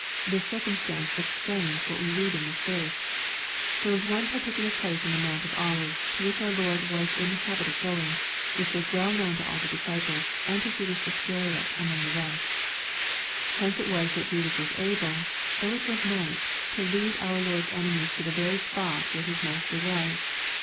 This circumstance explains what we read in this verse. There was one particular place on the Mount of Olives, to which our Lord was in the habit of going, which was well known to all the disciples, and to Judas Iscanot among the rest. Hence it was that Judas was able, though it was night, to lead our Lord's enemies to the very spot where his Master was.